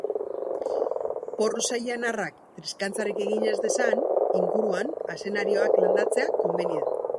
Porru sailean harrak triskantzarik egin ez dezan, inguruan azenarioak landatzea komeni da.